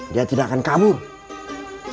dia tidak akan kabur